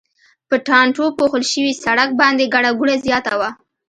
په ټانټو پوښل شوي سړک باندې ګڼه ګوڼه زیاته وه.